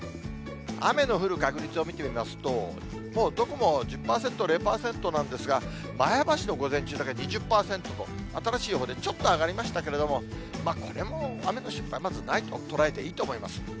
雨の降る確率を見てみますと、もうどこも１０％から０％なんですが、前橋の午前中だけ２０％と、新しい予報でちょっと上がりましたけど、これも雨の心配、まずないと捉えていいと思います。